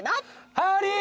ハリー。